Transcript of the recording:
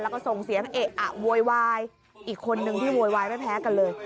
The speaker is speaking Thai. แล้วก็ส่งเสียงเอะอะโวยวายอีกคนนึงที่โวยวายไม่แพ้กันเลย